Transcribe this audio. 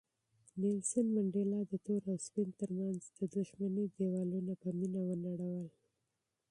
منډېلا د تور او سپین تر منځ د دښمنۍ دېوالونه په مینه ونړول.